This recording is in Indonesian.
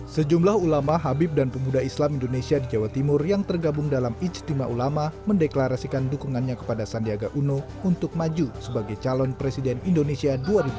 sejumlah ulama habib dan pemuda islam indonesia di jawa timur yang tergabung dalam ijtima ulama mendeklarasikan dukungannya kepada sandiaga uno untuk maju sebagai calon presiden indonesia dua ribu dua puluh